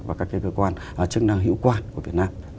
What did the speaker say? và các cái cơ quan chức năng hữu quản của việt nam